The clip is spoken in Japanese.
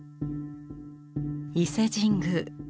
伊勢神宮